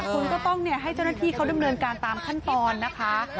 คุณก็ต้องให้เจ้าหน้าที่เขาดำเนินการตามขั้นตอนนะคะ